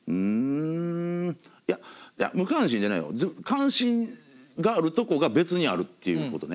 関心があるとこが別にあるっていうことね。